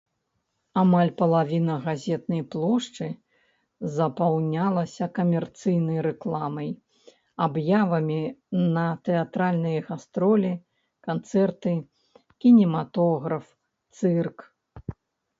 Амаль палавіна газетнай плошчы запаўнялася камерцыйнай рэкламай, аб'явамі на тэатральныя гастролі, канцэрты, кінематограф, цырк.